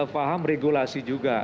faham regulasi juga